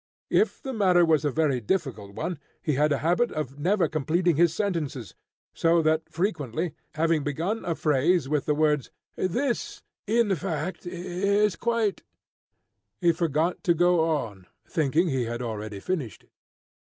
If the matter was a very difficult one, he had a habit of never completing his sentences, so that frequently, having begun a phrase with the words, "This, in fact, is quite " he forgot to go on, thinking he had already finished it.